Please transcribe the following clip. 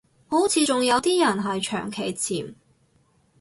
好似仲有啲人係長期潛